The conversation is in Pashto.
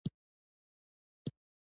د هلمند په نوزاد کې د فلورایټ نښې شته.